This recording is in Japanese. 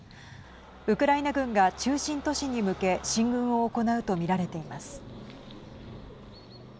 ウクライナ軍が中心都市に向け進軍を行うと見られています。